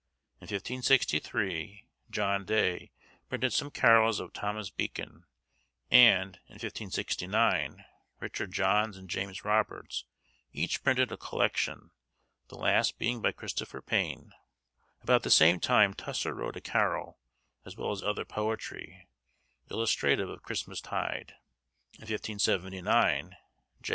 In 1563, John Day printed some carols of Thomas Becon; and, in 1569, Richard Jonnes and James Robertes, each printed a collection; the last being by Christopher Payne. About the same time Tusser wrote a carol, as well as other poetry, illustrative of Christmas tide. In 1579, J.